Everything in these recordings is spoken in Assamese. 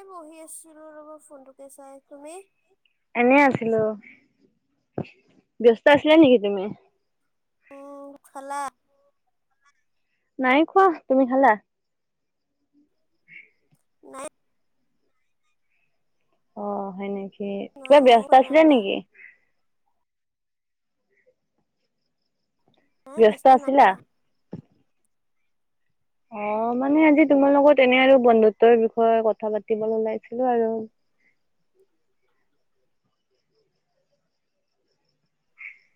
এই বহি আছিলো ৰ'ব ফোনটোকে চাই তুমি? এনে আছিলো, উস্, ব্যস্ত আছিলা নেকি তুমি? ও ও ও খালা। নাই খোৱা তুমি খালা? নাই অ অ, হয় নেকি, নাই কিবা ময়ো ব্যস্ত খোৱা নাই আছিলে ৰ'বা নেকি? নাই ব্যস্ত নাই আছিলা। ৰ'বা অ মানে আজি তোমাৰ লগত এনে আৰু বন্ধুত্বৰ বিষয়ে কথা পাতিব ওলাইছিলো আৰু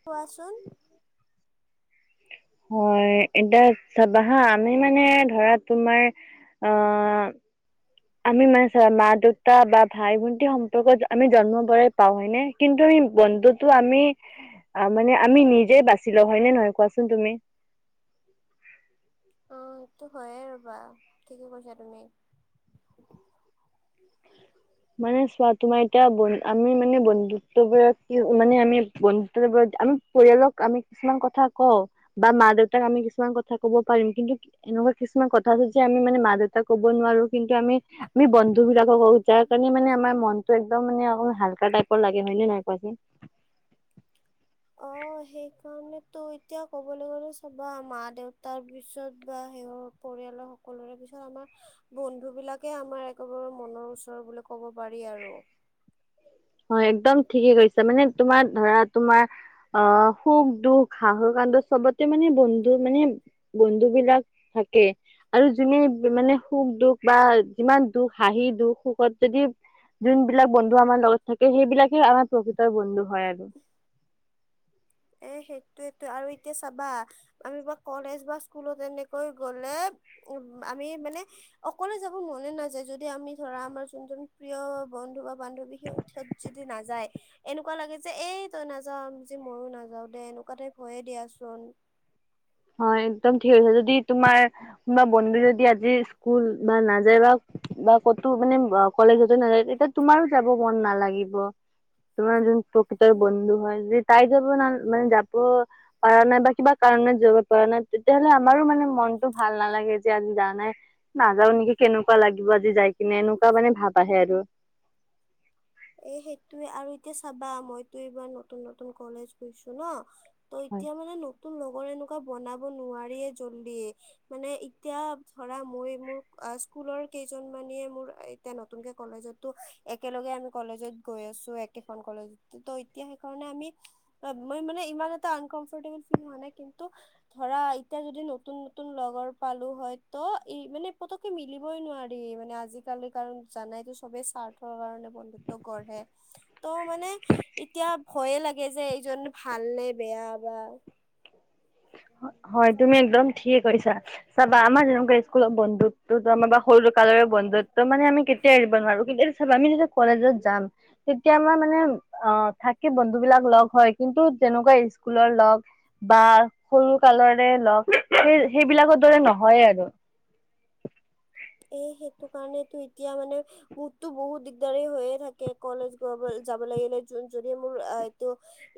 কোৱাচোন? হয় এতিয়া চাবা হা আমি মানে ধৰা তোমাৰ ই ই ই আ অ অ অ অ অ। আমি মানে চোৱা মা-দেউতা বা ভাই-ভণ্টীৰ সম্পৰ্কতো আমি জন্মৰ পৰাই পাওঁ হয়নে। কিন্তু ই বন্ধুতো আমি এ এ এ এ মানে আমি নিজে বাচি লঁও হয়নে নহয় কোৱাচোন তুমি? অ অ অ, সেইটো হয়য়ে ৰবা ঠিকে কৈছা তুমি। [unintelligible] মানে চোৱা তোমাৰ এতিয়া বন আমি মানে বন্ধুত্ব বত মানে আমি বন্ধুত্ব বত আম পৰিয়ালক আমি কিছুমান কথা কওঁ বা মা-দেউতাক আমি কিছুমান কথা কব পাৰিম কিন্তু এনেকুৱা কিছুমান কথা আছে যে আমি মানে মা-দেউতাক কব নোৱাৰো কিন্তু আমি ই আহ্ আমি বন্ধু বিলাকক যাৰ কাৰণে মানে আমাৰ মনটো একদম মানে অকন হালকা টাইপৰ লাগে হয় নে নাহয় কোৱাচোন? অ'। সেই কাৰণেতো এতিয়া ক'বলৈ গ'লে চাবা, মা দেউতাৰ পিছত বা সেই পৰিয়ালৰ সকলোৰে পিছত আমাৰ বন্ধু বিলাকে আমাৰ একেবাৰে মনৰ ওচৰ বুলি ক'ব পাৰি আৰু। হয়, একদম ঠিকে কৈছা। মানে তোমাৰ ধৰা তোমাৰ অ' সুখ দুখ হাঁহি কান্দোন চবতে মানে বন্ধু মানে বন্ধু বিলাক থাকে। আৰু যোনে মানে সুখ দুখ বা যিমান দুখ হাঁহি দুখ সুখত যদি যোনবিলাক বন্ধু আমাৰ লগত থাকে সেইবিলাকে আমাৰ প্ৰকৃতৰ বন্ধু হয় আৰু। এ সেইটোৱেটো, আৰু এতিয়া চাবা আমি বা কলেজ বা স্কুলত এনেকৈ গ'লে উ আমি মানে অকলে যাব মনে নাযায়, যদি আমি ধৰা আমাৰ যোনজন প্ৰিয় বন্ধু বা বান্ধৱী সিহ'ত যদি নাযায়, এনেকুৱা লাগে যে এই তই নাযাৱ যে মইও না যাও দে এনেকুৱা টাইপ হয়ে দিয়াচোন। হয়, একদম ঠিক কৈছে। যদি তোমাৰ কোনোবা বন্ধু যদি আজি স্কুল ভাল নাযায় বা বা ক'তো মানে কলেজতে নাযায় তেতিয়া তোমাৰো যাব মন নালাগিব। তোমাৰ যোন প্ৰকৃতৰ বন্ধু হয়। তাই যাব ন মানে যাব পাৰা নাই বা কিবা কাৰণত যা যোৱা নাই, তেতিয়াহ'লে আমাৰো মানে মনতটো ভাল নালাগে, যে আজি যা নাই। নাযাও নেকি কেনেকুৱা লাগিব আজি যাই কিনে এনেকুৱা মানে ভাব আহে আৰু। এ সেইটোৱে, আৰু এতিয়া চাবা মইতো এইবাৰ নতুন নতুন কলেজ গৈছো ন। ত' হয় এতিয়া মানে নতুন লগৰ এনেকুৱা বনাব নোৱাৰিয়ে জল্ডি। মানে এতিয়া ধৰা মই মোৰ স্কুলৰ কেইজন মানে মোৰ এতিয়া নতুনকে কলেজত ত' একেলগে আমি কলেজত গৈ আছো, একেখন কলেজত ত এতিয়া সেইকাৰণে আমি মই মানে ইমান এটা আনকম্ফৰ্টেবল ফিল হোৱা নাই। কিন্তু ধৰা এতিয়া যদি নতুন নতুন লগৰ পালো হয়, ত' এই মানে পুতুক কে মিলিবই নোৱাৰি, মানে আজিকালি কাৰণ জানাইতো সবেই স্বাৰ্থৰ কাৰণে বন্ধু ত্ব গঢ়ে। ত' মানে এতিয়া ভয়ে লাগে যে এইজন ভাল নে বেয়া। বা হয় তুমি একদম ঠিকে কৈছা। চাবা আমাৰ যেনেকুৱা স্কুলত বন্ধু তো আমাৰ বা সৰুটো কালৰে বন্ধুত্ব মানে আমি কেতিয়া এৰিব নোৱাৰো, কিন্তু চাবা আমি যেতিয়া কলেজত যাম তেতিয়া আমাৰ মানে অ' থাকে বন্ধুবিলাক লগ হয়। কিন্তু তেনেকুৱা স্কুলৰ লগ বা সৰু কালৰে লগ সেই সেইবিলাকৰ দৰে নহয়ে আৰু। এ সেইটো কাৰণেতো এতিয়া মানে মোৰটো বহুত দিগদাৰী হৈয়ে থাকে, কলেজ গ বল যাব লাগিলে যদি মোৰ আ এইটো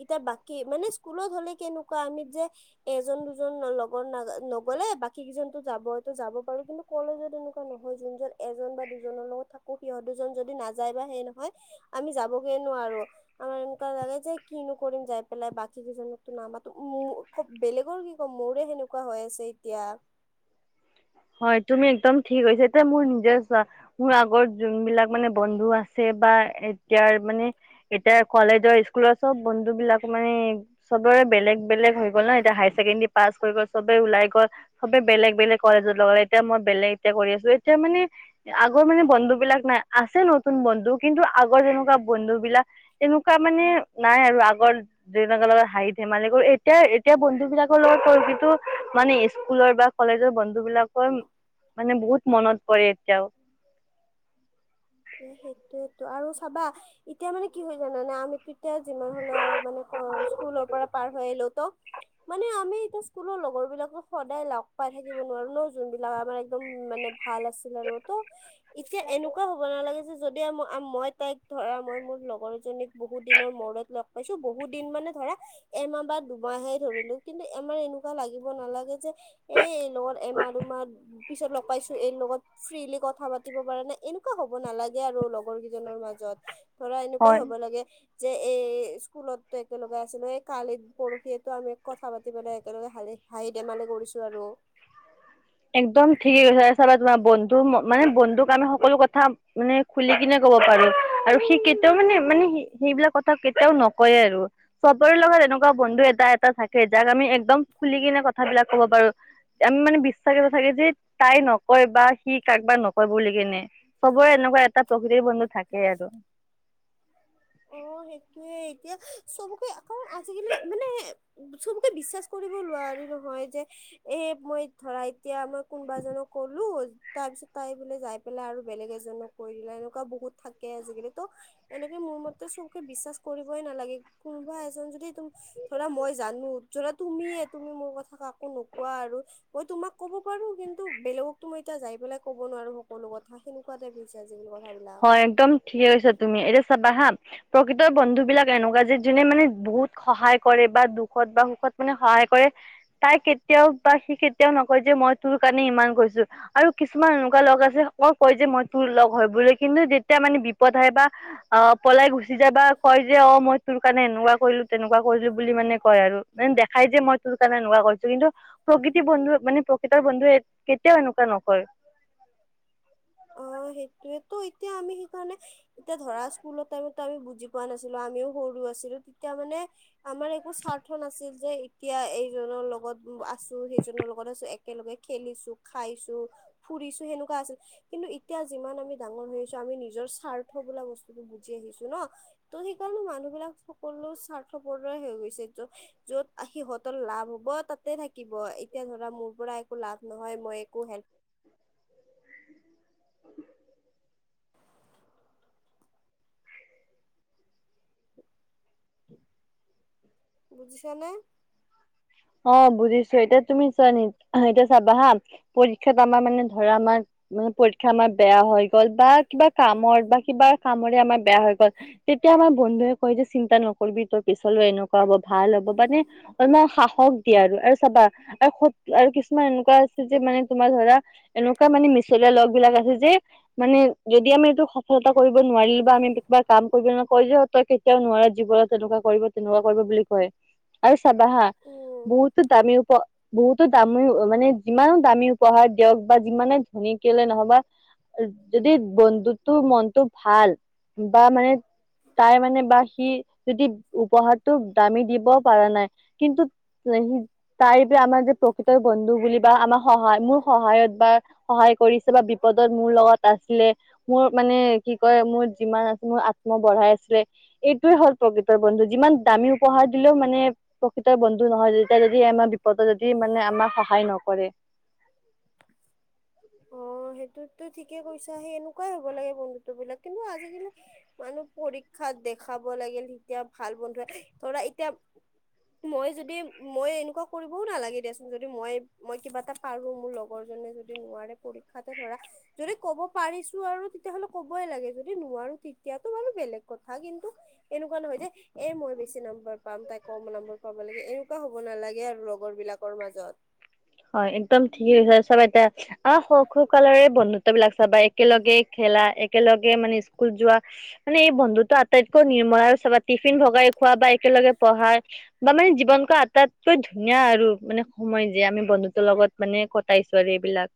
এতিয়া বাকী, মানে স্কুলত হ'লে কেনেকুৱা আমি যে এজন দুজন লগৰ নাজা নগলে বাকী কেইজনো যাবতো যাব পাৰো, কিন্তু কলেজত নহয় যোনজন এজন বা দুজনৰ লগত থাকো সিহঁত দুজন যদি নাযায় বা সেই নহয় আমি যাবগে নোৱাৰো। আমাৰ এনেকুৱা লাগে যে কিনো কৰিম যাই পেলাই বাকী দুজনীকটো নামাতো, উম খুব বেলেগৰ কি কম মোৰে সেনেকুৱা হৈ আছে এতিয়া। হয় তুমি একদম ঠিক কৈছা। এতিয়া মোৰ নিজৰে চোৱা মোৰ আগত যোনবিলাক মানে বন্ধু আছে, বা এতিয়াৰ মানে এতিয়া কলেজৰ স্কুলৰ চব বন্ধুবিলাক মানে চবৰে বেলেগ বেলেগ হৈ গ'ল না, এতিয়া হায়াৰ ছেকেণ্ডেৰী পাছ হৈ গ'ল চবে ওলাই গ'ল। চবে বেলেগ, বেলেগ কলেজত লগালে এতিয়া মই বেলেগকে কৰি আছোঁ এতিয়া মানে। আগৰ মানে বন্ধুবিলাক নাই আছে নতুন বন্ধু কিন্তু আগৰ যেনেকুৱা বন্ধুবিলাক তেনেকুৱা মানে নাই আৰু আগৰ। [unintelligible] লগত হাঁহি ধেমালি কৰোঁ এতিয়া, এতিয়া বন্ধু বিলাকৰ লগত কৰোঁ কিন্তু মানে স্কুলৰ বা। কলেজৰ বন্ধুবিলাকৰ মানে বহুত মনত পৰে এতিয়াও। এ সেইটোৱেটো আৰু চাবা এতিয়া মানে কি হয় জানানে আমি এতিয়া যিমান হ'লেও মানে কলে স্কুলৰ পৰা পাৰ হৈ আহিলো তো মানে আমি কোনো লগৰ বিলাকক সদায় লগ পাই থাকিব নোৱাৰো নহ যোনবিলাক আমাৰ একদম মানে। ভাল আছিল আৰু তো এতিয়া এনেকুৱা নালাগে যে যদি মই তাইক ধৰা মই মোৰ লগৰজনীক বহুত দিনৰ মূৰত লগ পাইছোঁ বহুত দিন মানে ধৰা। এমাহ বা দুমাহে ধৰিলো কিন্তু আমাৰ এনেকুৱা লাগিব নালাগে যে। এ এই লগত এমাহ দুমাহ পিছত লগ পাইছো এই লগত ফ্ৰিলি কথা পাতিব পাৰা নাই এনেকুৱা হ'ব নালাগে আৰু লগৰ কেইজনৰ মাজত ধৰা এনেকুৱাই হয়। হ'ব লাগে। যে এই স্কুলত একেলগে আছিলো এই কালিত পৰহিয়েটো আমি কথা পাতি পেলাই একেলগে হা হাঁহি ধেমালি কৰিছোঁ আৰু। একদম ঠিকেই কৈছে চাবা তোমাৰ বন্ধু মানে বন্ধুক আমি সকলো কথা। মানে খুলি কিনে ক'ব পাৰোঁ। আৰু সি কেতিয়াও মানে, মানে সেইবিলাক কথা কেতিয়াও নকয়েই আৰু। চবৰে লগত এনেকুৱা বন্ধু এটা, এটা থাকে যাক আমি একদম খুলি কিনে কথাবিলাক ক'ব পাৰোঁ। [unintelligible] মানে [unintelligible] চবৰে এটা প্ৰকৃত বন্ধু থাকে আৰু। অ সেইটোৱে এতিয়া চবকে আকৌ আজিকালি মানে। চবকে বিশ্বাস কৰিব নোৱাৰি নহয় যে এ মই। ধৰা এতিয়া মই কোনোবা এজনক ক'লো। তাৰপিছত তাই বোলে যাই পেলাই আৰু বেলেগ এজনক কৈ দিলে এনেকুৱা বহুত থাকে আজিকালি তো'। এনেকে মোৰ মতে চবকে বিশ্বাস কৰিবই নালাগে কোনোবা এজন যদি ত ধৰা মই জানো ধৰা তুমিয়ে তুমি মোৰ কথা কাকো নোকোৱা আৰু। মই তোমাক ক'ব পাৰোঁ কিন্তু বেলেগকটো মই এতিয়া যাই পেলাই ক'ব নোৱাৰো সকলো কথা। সেনেকুৱা টাইপ হৈছে আজিকালি কথাবিলাক। হয় একদম ঠিকে কৈছা তুমি এতিয়া চাবা হা। প্ৰকৃতৰ বন্ধু বিলাক এনেকুৱা যে যোনে মানে বহুত সহায় কৰে বা দুখত বা সুখত মানে সহায় কৰে। তাই কেতিয়াও বা সি কেতিয়াও নকয় যে মই তোৰ কাৰণে ইমান কৰিছোঁ। আৰু কিছুমান এনেকুৱা লগ আছে [unintelligible] কয় যে মই তোৰ লগ হয় বুলি কিন্তু যেতিয়া মানে বিপদ আহে বা। অ পলাই গুচি যায় বা কয় যে অ মই তোৰ কাৰণে এনেকুৱা কৰিলো তেনেকুৱা কৰিলো। বুলি মানে কয় আৰু মানে দেখাই যে মই তোৰ কাৰণে‌ এনেকুৱা কৰিছো কিন্তু। প্ৰকৃতিৰ বন্ধু মানে প্ৰকৃতৰ বন্ধুৱে কেতিয়াও এনেকুৱা নকয়। অ সেইটোৱেতো এতিয়া আমি সেইকাৰণে এতিয়া ধৰা স্কুলৰ টাইমত। আমি বুজি পোৱা নাছিলো আমিও সৰু আছিলো তেতিয়া মানে। আমাৰ একো স্বাৰ্থ নাছিল যে এতিয়া এইজনৰ লগত আছোঁ সেইজনৰ লগত আছোঁ একেলগে খেলিছো খাইছো ফুৰিছো সেনেকুৱা আছিল কিন্তু এতিয়া যিমান আমি ডাঙৰ হৈ আহিছো আমি নিজৰ স্বাৰ্থ বোলা বস্তুটো বুজি আহিছো নহ। ত' সেইকাৰণে মানুহ বিলাক সকলো স্বাৰ্থপৰ দৰে হৈ গৈছে ত'। য'ত সিহঁতৰ লাভ হব তাতে থাকিব এতিয়া ধৰা মোৰ পৰা একো লাভ নহয় মই একো হেল্প [inaudible] বুজিছা নে? অ', বুজিছো এতিয়া তুমি চোৱা নি এতিয়া চাবা হা পৰীক্ষাত আমাৰ মানে ধৰা আমাৰ মানে পৰীক্ষা আমাৰ বেয়া হৈ গ'ল বা কিবা কামত বা কিবা কামৰে আমাৰ বেয়া হৈ গ'ল তেতিয়া আমাৰ বন্ধুৱে কয় যে, চিন্তা নকৰিবি তই পিছলৈ এনেকুৱা কৰা ভাল হ'ব মানে অলমান [unintelligible] হ'ক দিয়া আৰু আৰু চাবা আৰু স আৰু কিছুমান এনেকুৱা আছে যে মানে তোমাৰ ধৰা এনেকুৱা মানে মিছলীয়া লগ বিলাক আছে যে মানে যদি আমি এইটো সফলতা কৰিব নোৱাৰিলো বা আমি কিবা কাম কৰিব ন কয় যে তই কেতিয়াও নোৱাৰ জীৱনত তেনেকুৱা কৰিব তেনেকুৱা কৰিব বুলি কয় আৰু চাবা হা উম বহুত দামী উপ বহুতো দামী মানে যিমানো দামী উপহাৰ দিয়ক বা যিমানে ধন কিয়লৈ নহ'বা যদি বন্ধুতৰ মনটো ভাল বা মানে তাই মানে বা সি যদি উপহাৰটো দামি দিব পৰা নাই কিন্তু সি তাৰ আমাৰ যে প্ৰকৃত বন্ধু বুলি বা আমাৰ সহায় মোৰ সহায়ত বা সহায় কৰিছে বা বিপদত মোৰ লগত আছিলে। মোৰ মানে কি কয় মোৰ যিমান আছে মোৰ আত্ম বঢ়াই আছিলে এইটোৱে হ'ল প্ৰকৃতৰ বন্ধু যিমান দামী উপহাৰ দিলেও মানে প্ৰকৃতৰ বন্ধু। নহয় তেতিয়া যদি আমাৰ বিপদত যদি মানে আমাক সহায় নকৰে। অ', সেইটোতো ঠিকে কৈছা সেই এনেকুৱাই হ'ব লাগে বন্ধুত্ব বিলাক কিন্তু আজিকালি। মানুহ পৰীক্ষাত দেখাব লাগিল তেতিয়া ভাল বন্ধু ধৰা এতিয়া মই যদি মই এনেকুৱা কৰিবও নালাগে দিয়াচোন যদি মই মই কিবা এটা পাৰো মোৰ লগৰ জনে যদি নোৱাৰে পৰীক্ষাতে ধৰা যদি ক'ব পাৰিছো আৰু তেতিয়াহ'লে ক'বই লাগে যদি নোৱাৰো তেতিয়াতো বাৰু বেলেগ কথা কিন্তু এনেকুৱা নহয় যে এ, মই বেছি নম্বৰ পাম তাই কম নম্বৰ পাব লাগে এনেকুৱা হ'ব নালাগে আৰু লগৰ বিলাকৰ মাজত হয় একদম ঠিকেই হৈছে চব এতিয়া আহ সৰু সৰুকালৰে বন্ধু তবিলাক [unintelligible] চাবা একেলগে খেলা, একেলগে মানে স্কুল যোৱা মানে এই বন্ধুতটো আটাইতকৈ নিৰ্মলাৰ বা টিফিন ভগাই খোৱা বা একেলগে পঢ়া বা মানে জীৱন ক আটাইতকৈ ধুনীয়া আৰু মানে সময় যে আমি বন্ধুতৰ লগত মানে কটাইছো আৰু এইবিলাক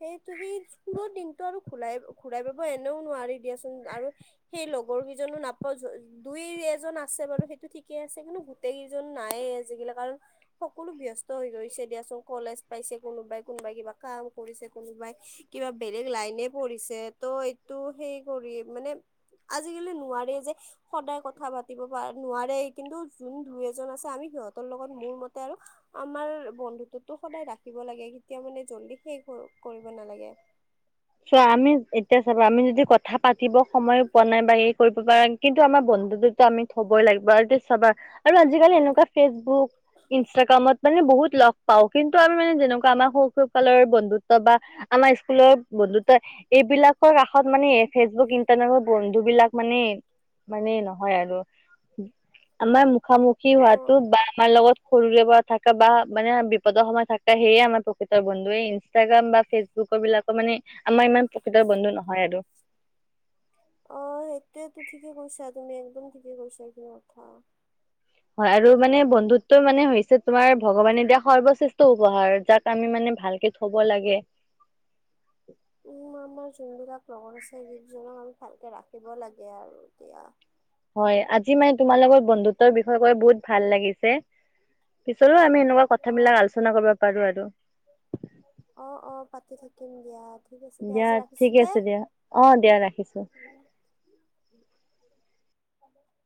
সেইটো সেই স্কুলৰ দিনটো আৰু ঘূৰাই ঘূৰাই পাব এনেও নোৱাৰি দিয়াচোন আৰু সেই লগৰ কেইজনো নাপাওঁ দুই -এজন আছে বাৰু সেইটো ঠিকেই আছে কিন্তু গোটেই কেইজন নাই আজিকালি কাৰণ সকলো ব্যস্ত হৈ গৈছে দিয়াচোন কলেজ পাইছে কোনোবাই কোনোবাই কিবা কাম কৰিছে কোনোবাই কিবা বেলেগ লাইনে পঢ়িছে ত' এইটো হেই কৰি মানে আজিকালি নোৱাৰে যে সদায় কথা পাতিব নোৱাৰে কিন্তু জোন দুই এজন আছে আমি সিহঁতৰ লগত মোৰ মতে আৰু আমাৰ বন্ধুত্বটো সদায় ৰাখিব লাগে কেতিয়া মানে জল্দি শেষ কৰিব নালাগে। চোৱা আমি এতিয়া চাব আমি যদি কথা পাতিব সময়ো পোৱা নাই বা এই কৰিব পৰা কিন্তু আমাৰ বন্ধু দেতো আমি থবই লাগিব আৰু চাবা আৰু আজিকালি এনেকুৱা ফেচবুক, ইনষ্টাগ্ৰামত। মানে বহুত লগ পাওঁ কিন্তু আমি মানে যেনেকুৱা আমাৰ সৰুকালৰ বন্ধুত্ব বা আমাৰ স্কুলৰ বন্ধুত এইবিলাকৰ কাষত মানে ফেচবুক ইণ্টাৰনেট বন্ধু বিলাক মানে মানে নহয় আৰু আমাৰ মুখামুখি অ হোৱাতো বা আমাৰ লগত সৰুৰে পৰা থকা বা মানে বিপদৰ সময় থাকে, সেয়ে আমাৰ প্ৰকৃতৰ বন্ধু, ইনষ্টাগ্ৰাম বা ফেচবুকৰ বিলাক মানে আমাৰ ইমান প্ৰকৃত বন্ধু নহয় আৰু। অ, সেইটোয়েতো, ঠিকে কৈছা, তুমি একদম ঠিকে কৈছা এইটো কথা। হয় আৰু মানে বন্ধুত্ব মানে হৈছে, তোমাৰ ভগৱানে দিয়া সৰ্বশ্ৰেষ্ঠ উপহাৰ যাক আমি মানে, ভালকে থব লাগে। আমাৰ জোনবিলাক লগৰ আছে, গিফ্টজনক আমি ভালকে ৰাখিব লাগে আৰু এতিয়া। হয় আজি মানে তোমাৰ লগত বন্ধুত্বৰ বিষয়ে কৈ, বহুত ভাল লাগিছে। পিছলৈ আমি, এনেকুৱা কথা অ বিলাক আলোচনা কৰিব পাৰো আৰু। অ, অ, পাতি থাকিম দিয়া। ঠিক আছে দিয়া, আজি ঠিক ৰাখিছোঁ দে। আছে দিয়া অ দিয়া ৰাখিছো